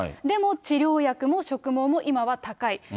でも治療薬も植毛も今は高い。